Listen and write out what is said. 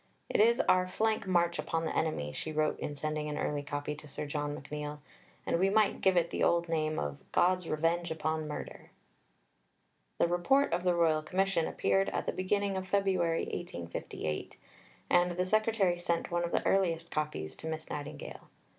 "It is our flank march upon the enemy," she wrote in sending an early copy to Sir John McNeill, "and we might give it the old name of God's Revenge upon Murder." The Report of the Royal Commission appeared at the beginning of February (1858), and the Secretary sent one of the earliest copies to Miss Nightingale.